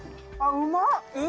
「うまっ！」